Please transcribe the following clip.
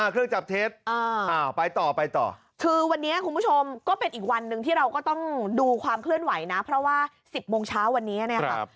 ก็วันนี้คุณผู้ชมก็เป็นอีกวันนึงที่เราก็ต้องดูความเขื่อนไหวนะเพราะว่า๑๐โมงเช้าวันนี้ครับ